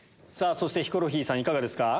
そしてヒコロヒーさんいかがですか？